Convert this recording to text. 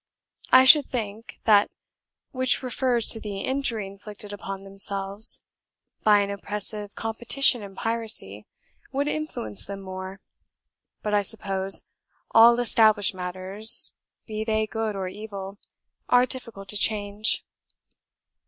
I should think, that which refers to the injury inflicted upon themselves, by an oppressive competition in piracy, would influence them more; but, I suppose, all established matters, be they good or evil, are difficult to change.